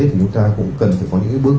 thì chúng ta cũng cần phải có những bước